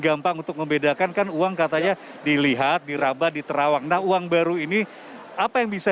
gampang untuk membedakan kan uang katanya dilihat dirabah diterawang nah uang baru ini apa yang bisa